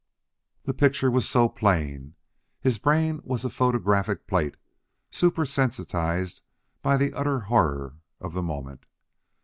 The picture was so plain! His brain was a photographic plate, super sensitized by the utter horror of the moment.